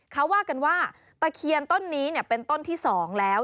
เขาว่ากันว่าตะเคียนต้นนี้เป็นต้นที่๒แล้ว